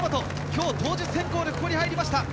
今日、当日変更でここに入りました。